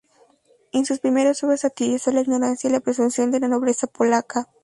En sus primeras obras satirizó la ignorancia y presunción de la nobleza polaca.